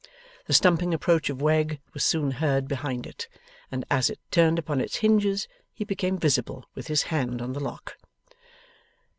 The stumping approach of Wegg was soon heard behind it, and as it turned upon its hinges he became visible with his hand on the lock.